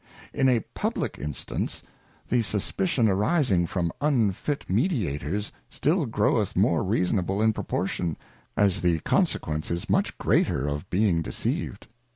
In a publick instance the suspicion arising from unfit Mediators, still groweth more reasonable in proportion, as the consequence is much greater of being deceived.